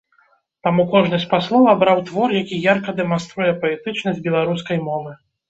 Таму кожны з паслоў абраў твор, які ярка дэманструе паэтычнасць беларускай мовы.